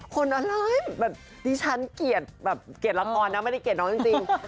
คนอะไรแบบที่ฉันเกลียดละครนะไม่ได้เกลียดน้องจริง